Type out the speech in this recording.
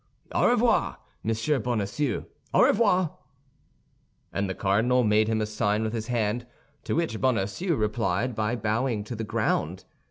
"Au revoir, Monsieur Bonacieux, au revoir!" And the cardinal made him a sign with his hand, to which Bonacieux replied by bowing to the ground.